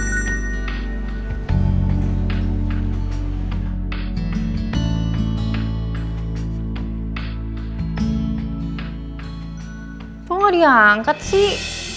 masa gua nggak diangkat sih